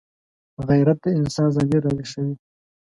غیرت د انسان ضمیر راویښوي